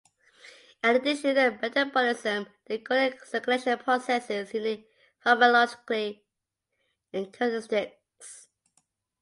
In addition to metabolism, the coronary circulation possesses unique pharmacologic characteristics.